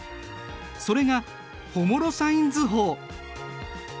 それがホモロサイン図法。